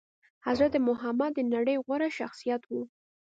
حضرت محمد د نړي غوره شخصيت وو